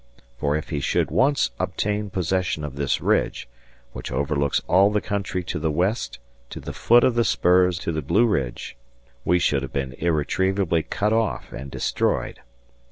For if he should once obtain possession of this ridge, which overlooks all the country to the west to the foot of the spurs to the Blue Ridge, we should have been irretrievably cut off and destroyed.